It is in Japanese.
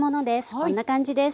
こんな感じです。